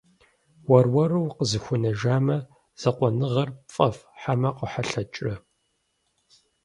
Уэр-уэру укъызыхуэнэжамэ, закъуэныгъэр пфӏэфӏ хьэмэ къохьэлъэкӏрэ?